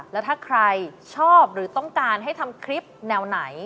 แล้วถ้าใครชอบหรือต้องการให้ทำคลิปแนวไหน